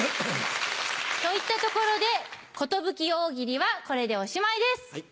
といったところで「寿大喜利」はこれでおしまいです。